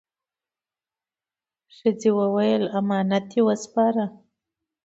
ښځه وویل: «امانت دې وسپاره؟»